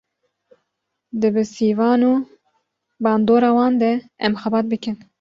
Di bi sîvan û bandora wan de em xebat bikin